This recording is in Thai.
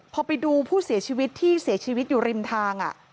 พอไปดูผู้เสียชีวิตที่เสียชีวิตอยู่ริมทาง